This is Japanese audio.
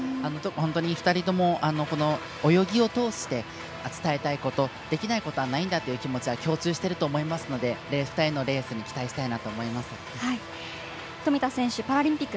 ２人とも泳ぎを通して伝えたいことできないことはないんだという気持ちは共通していると思いますので２人のレースに富田選手パラリンピック